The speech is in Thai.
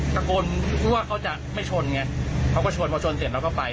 ตะโกนพูดว่าเขาจะไม่ชนไงเขาก็ชนพอชนเสร็จเราก็ไป